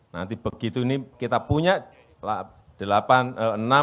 nanti begitu ini kita punya enam atau delapan lapangan bola